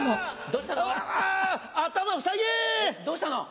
どうしたの？